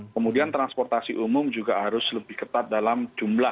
kemudian transportasi umum juga harus lebih ketat dalam jumlah